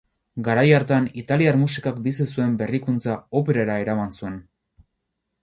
Garai hartan italiar musikak bizi zuen berrikuntza operara eraman zuen.